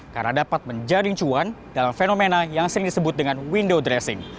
karena dapat menjaring cuan dalam fenomena yang sering disebut dengan window dressing